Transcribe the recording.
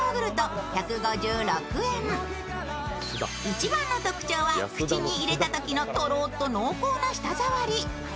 一番の特徴は口に入れたときのとろっと濃厚な舌触り。